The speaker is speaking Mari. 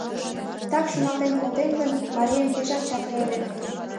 Так шоналтен колтем гын, марием пешак чапле ыле.